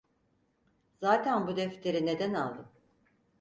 Zaten bu defteri neden aldım?